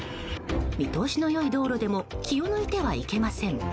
見通しの良い道路でも気を抜いてはいけません。